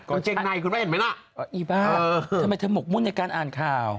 อื้อทำไมเธอหมกมุ่นในการอ่านข่าว